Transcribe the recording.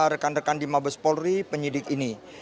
rekan rekan di mabes polri penyidik ini